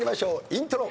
イントロ。